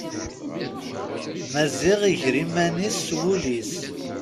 Maziɣ iger iman-is s wul-is.